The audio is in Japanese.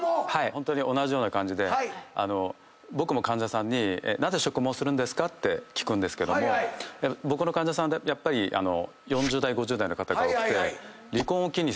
ホントに同じような感じで僕も患者さんになぜ植毛するんですか？って聞くんですけども僕の患者さんってやっぱり４０代５０代の方が多くて。